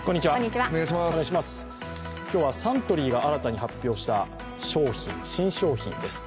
今日はサントリーが新たに発表した新商品です。